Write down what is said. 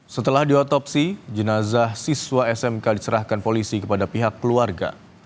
setelah diotopsi jenazah siswa smk diserahkan polisi kepada pihak keluarga